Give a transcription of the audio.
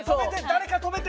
誰か止めて！」